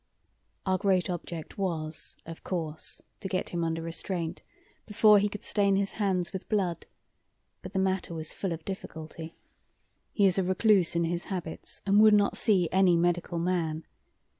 "Our great object was, of course, to get him under restraint before he could stain his hands with blood, but the matter was full of difficulty. He is a recluse in his habits, and would not see any medical man.